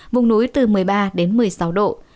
vùng núi từ một mươi ba đến một mươi sáu độ